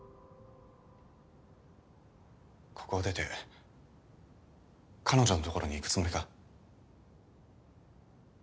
ここを出て彼女のところに行くつもりか？